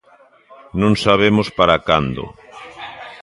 Non sabemos para cando.